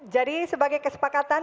jadi sebagai kesepakatan